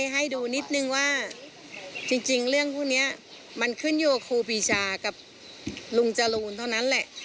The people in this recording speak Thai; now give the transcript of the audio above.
ให้ดูนิดนึงว่าจริงเรื่องพวกนี้มันขึ้นอยู่กับครูปีชากับลุงจรูนเท่านั้นแหละ